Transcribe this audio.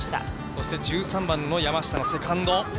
そして１３番の山下のセカンド。